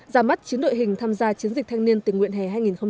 ra mắt chín đội hình tham gia chiến dịch thanh niên tình nguyện hè hai nghìn hai mươi